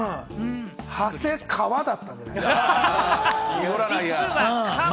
「はせかわ」だったんじゃないですか？